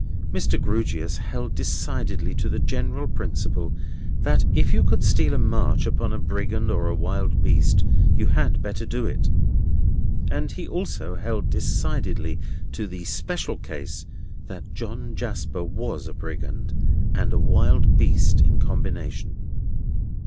Mr. Grewgious held decidedly to the general principle, that if you could steal a march upon a brigand or a wild beast, you had better do it; and he also held decidedly to the special case, that John Jasper was a brigand and a wild beast in combination.